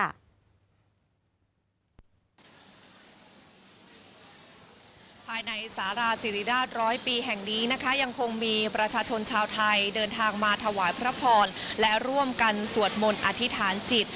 ภายในสาราสิริราชร้อยปีแห่งนี้นะคะยังคงมีประชาชนชาวไทยเดินทางมาถวายพระพรและร่วมกันสวดมนต์อธิษฐานจิต